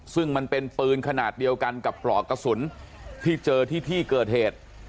ซึ่งมันเป็นปืนขนาดเดียวกันกับปลอกกระสุนที่เจอที่ที่เกิดเหตุ